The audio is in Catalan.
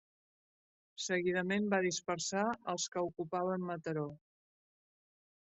Seguidament va dispersar els que ocupaven Mataró.